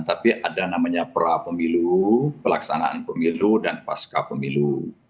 tapi ada namanya pra pemilu pelaksanaan pemilu dan pasca pemilu